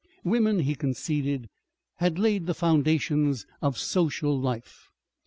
Women, he conceded, had laid the foundations of social life.